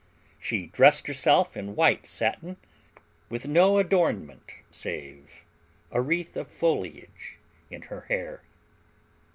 She dressed herself in white satin, with no adornment save a wreath of foliage in her hair.